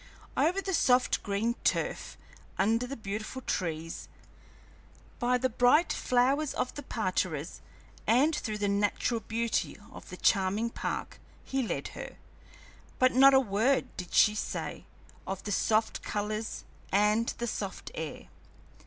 Over the soft green turf, under the beautiful trees, by the bright flowers of the parterres and through the natural beauty of the charming park, he led her; but not a word did she say of the soft colors and the soft air.